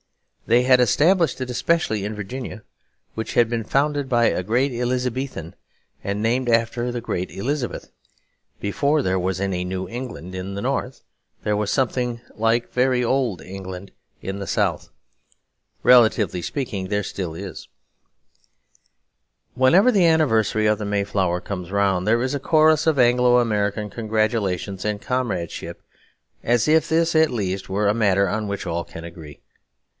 They had established it especially in Virginia, which had been founded by a great Elizabethan and named after the great Elizabeth. Before there was any New England in the North, there was something very like Old England in the South. Relatively speaking, there is still. Whenever the anniversary of the Mayflower comes round, there is a chorus of Anglo American congratulation and comradeship, as if this at least were a matter on which all can agree.